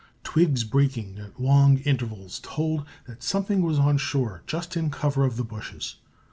Twigs breaking at long intervals told that something was on shore just in cover of the bushes.